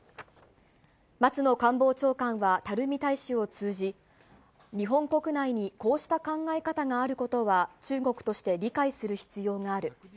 松野官房長官は、垂大使を通じ、日本国内にこうした考え方があることは、中国として理解する必要がある。